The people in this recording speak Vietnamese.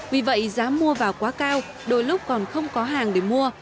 vì vậy giá mua vào quá cao đôi lúc còn không có hàng để mua